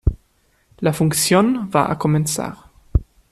La función va a comenzar.